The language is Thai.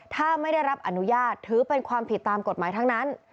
ถ้าไม่ได้รับอนุญาตถือเป็นความผิดตามกฎหมายทั้งนั้น